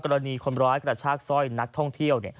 กรณีคนร้ายกระชากสร้อยนักท่องเที่ยว